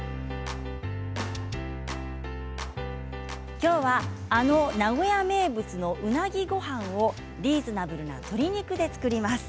きょうはあの名古屋名物のうなぎごはんをリーズナブルな鶏肉で作ります。